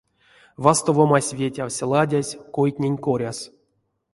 Вастовомась ветявсь ладязь койтнень коряс.